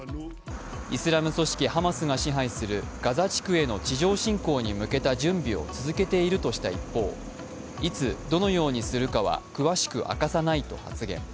イスラム組織ハマスが支配するガザ地区への地上侵攻に向けた準備を続けているとした一方、いつ、どのようにするかは詳しく明かさないと発言。